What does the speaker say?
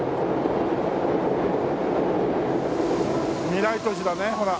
未来都市だねほら。